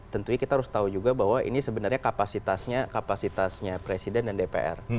tentunya kita harus tahu juga bahwa ini sebenarnya kapasitasnya kapasitasnya presiden dan dpr